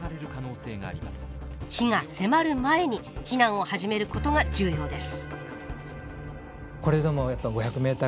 火が迫る前に避難を始めることが重要です